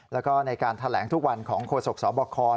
แล้วก็ในการแถลงทุกวันของโฆษกสบค